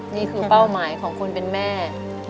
นี่คือเป้าหมายของคุณเป็นแม่